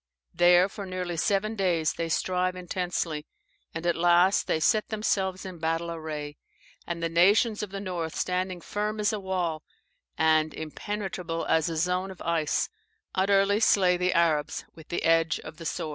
There for nearly seven days they strive intensely, and at last they set themselves in battle array; and the nations of the north standing firm as a wall, and impenetrable as a zone of ice, utterly slay the Arabs with the edge of the sword."